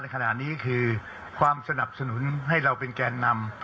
ขณะนี้คือความสนับสนุนให้เราเป็นแกนนำ